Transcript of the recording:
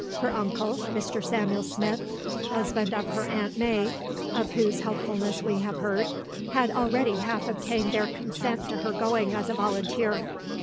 Her uncle, Mr. Samuel Smith (husband of her Aunt Mai, of whose helpfulness we have heard), had already half obtained their consent to her going as a volunteer.